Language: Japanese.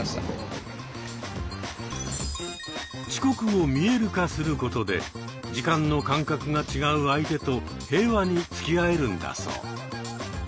遅刻を見える化することで時間の感覚が違う相手と平和につきあえるんだそう。